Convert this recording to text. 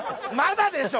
だでしょ！？